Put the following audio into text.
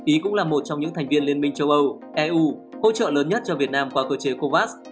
ý cũng là một trong những thành viên liên minh châu âu eu hỗ trợ lớn nhất cho việt nam qua cơ chế covax